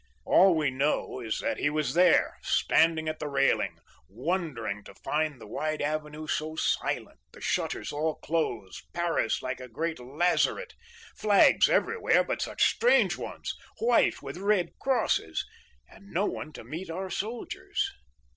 "All we know is that he was there, standing at the railing, wondering to find the wide avenue so silent, the shutters all closed, Paris like a great lazaret, flags everywhere, but such strange ones, white with red crosses, and no one to meet our soldiers.